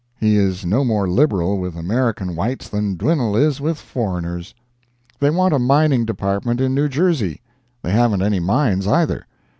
He is no more liberal with American whites than Dwinelle is with foreigners. They want a mining department in New Jersey. They haven't any mines either.